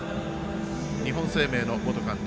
日本生命の元監督